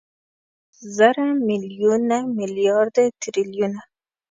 زره، ميليونه، ميليارده، تريليونه